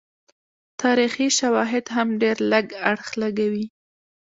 تاریخي شواهد هم ډېر لږ اړخ لګوي.